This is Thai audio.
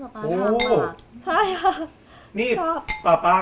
ของคุณยายถ้วน